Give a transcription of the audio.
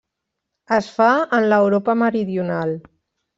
Es fa en l'Europa meridional.